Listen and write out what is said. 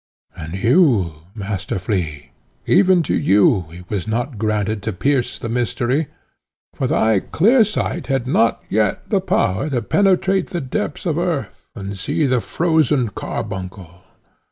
"And you, Master Flea, even to you it was not granted to pierce the mystery, for thy clear sight had not yet the power to penetrate the depths of earth, and see the frozen carbuncle.